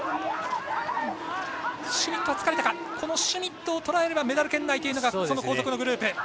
シュミットをとらえればメダル圏内というのが後続のグループ。